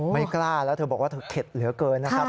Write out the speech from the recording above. ไม่กล้าแล้วเธอบอกว่าเธอเข็ดเหลือเกินนะครับ